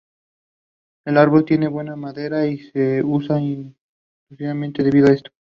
El árbol tiene buena madera y se usa industrialmente debido a esto.